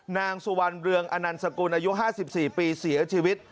นางสุวรรณเรืองอนันสกุลอายุ๕๔ปีเสียชีวิต